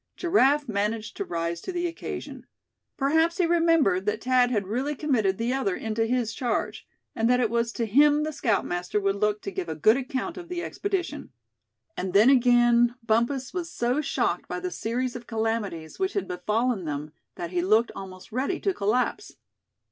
Giraffe managed to rise to the occasion. Perhaps he remembered that Thad had really committed the other into his charge; and that it was to him the scoutmaster would look to give a good account of the expedition. And then again, Bumpus was so shocked by the series of calamities which had befallen them that he looked almost ready to collapse.